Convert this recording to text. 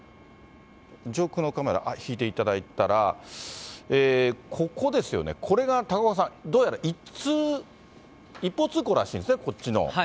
上空のカメラ、あっ、引いていただいたら、ここですよね、これが高岡さん、どうやら一通、一方通行らしいんですね、こっちの。